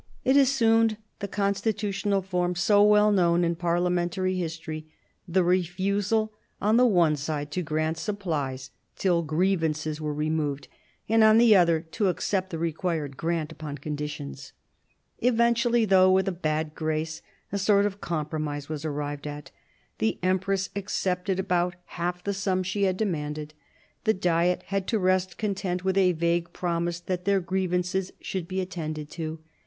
It assumed the constitutional form so well known in parliamentary history, the refusal on the one side to grant supplies till grievances were removed, and on the other to accept the required grant upon conditions. Eventually, though with a bad grace, a sort of com promise was arrived at. The empress accepted about •half the sum she had demanded, the Diet had to rest contented with a vague promise that their grievances should be attended to.